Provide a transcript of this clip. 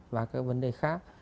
và các vấn đề khác